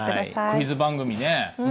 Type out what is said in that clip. クイズ番組ね。